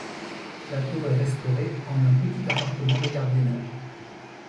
La tour est restaurée en un petit appartement de gardiennage.